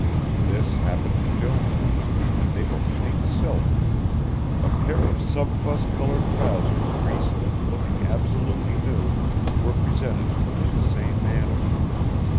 This happened to Jones and they were pink silk. A pair of subfusc coloured trousers creased and looking absolutely new were presented to him in the same manner.